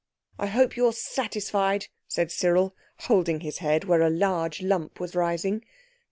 "I hope you're satisfied," said Cyril, holding his head where a large lump was rising.